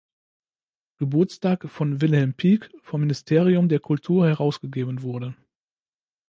Geburtstag von Wilhelm Pieck vom Ministerium der Kultur herausgegeben wurde.